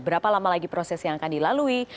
berapa lama lagi proses yang akan dilalui